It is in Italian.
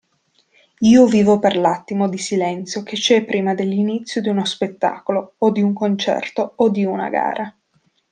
Io vivo per l'attimo di silenzio che c'è prima dell'inizio di uno spettacolo o di un concerto o di una gara.